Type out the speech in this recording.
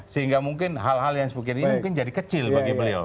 sehingga mungkin hal hal yang seperti ini mungkin jadi kecil bagi beliau